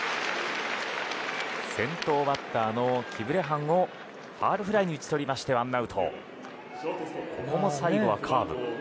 先頭バッターのキブレハンをファウルフライに打ち取りまして１アウトここも最後はカーブ。